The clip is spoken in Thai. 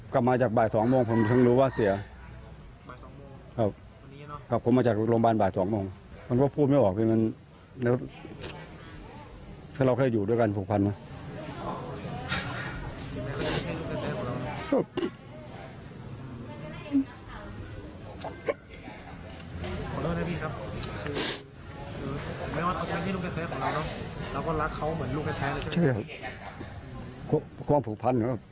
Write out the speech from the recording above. ความผู้พันธ์